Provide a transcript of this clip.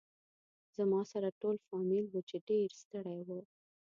زما سره ټول فامیل و چې ډېر ستړي و.